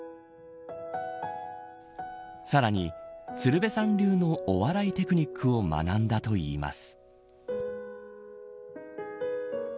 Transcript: さらに、鶴瓶さん流のお笑いテクニックを学んだといいます。